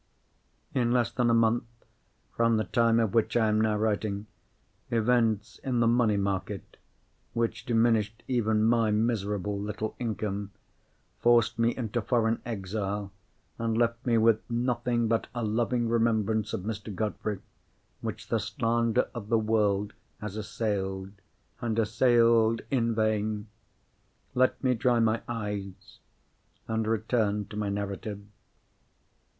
In less than a month from the time of which I am now writing, events in the money market (which diminished even my miserable little income) forced me into foreign exile, and left me with nothing but a loving remembrance of Mr. Godfrey which the slander of the world has assailed, and assailed in vain. Let me dry my eyes, and return to my narrative.